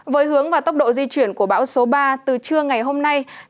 với hướng và tốc độ di chuyển của bão số ba từ trưa ngày hôm nay